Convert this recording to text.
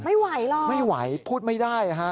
ไม่ไหวหรอกไม่ไหวพูดไม่ได้ฮะ